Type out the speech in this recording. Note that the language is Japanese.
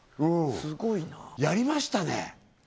すごいなやりましたね！